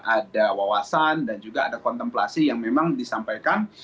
ada wawasan dan juga ada kontemplasi yang memang disampaikan